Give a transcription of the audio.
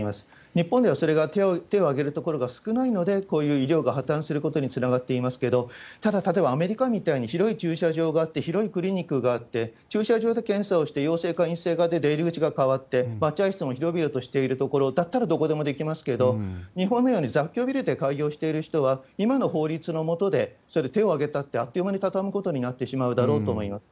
日本ではそれが手を挙げる所が少ないので、こういう医療が破綻することにつながっていますけれども、ただ、例えばアメリカみたいに広い駐車場があって、広いクリニックがあって、駐車場で検査をして、陽性か陰性かで出入り口が変わって、待合室も広々としてる所だったらどこでもできますけれども、日本のように雑居ビルで開場している人は、今の法律の下でそれで手を挙げたって、あっという間に畳むことになってしまうだろうと思います。